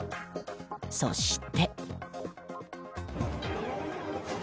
そして。